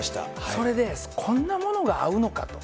それでこんなものが合うのかと。